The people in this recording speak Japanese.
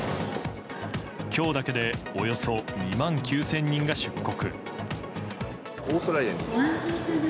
今日だけでおよそ２万９０００人が出国。